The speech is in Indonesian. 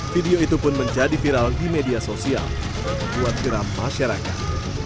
video itu pun menjadi viral di media sosial dan membuat geram masyarakat